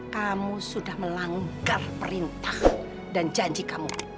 kamu sudah melanggar perintah dan janji kamu